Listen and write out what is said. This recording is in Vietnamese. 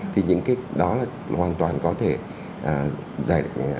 thì những cái đó là hoàn toàn có thể giải